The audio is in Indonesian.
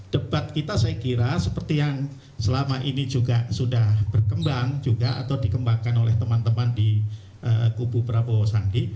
debat kita saya kira seperti yang selama ini juga sudah berkembang juga atau dikembangkan oleh teman teman di kubu prabowo sandi